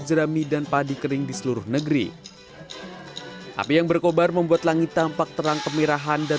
jerami dan padi kering di seluruh negeri api yang berkobar membuat langit tampak terang kemirahan dan